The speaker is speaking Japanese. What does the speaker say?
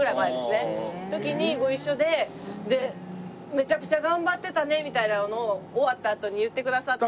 「めちゃくちゃ頑張ってたね」みたいなのを終わったあとに言ってくださって。